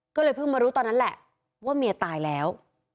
ก็เลยเพิ่งมารู้ตอนนั้นแหละว่าเมียตายแล้ว